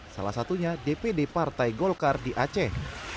salah satunya dpd partai golkar di aceh